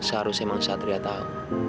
seharusnya emang satria tau